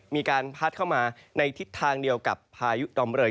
มีการพัดเข้ามาในทิศทางเดียวกับพายุดอมเลย